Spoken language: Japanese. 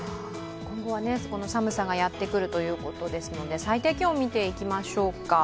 今後はこの寒さがやってくるということですので、最低気温を見ていきましょうか。